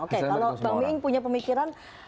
oke kalau tomi ing punya pemikiran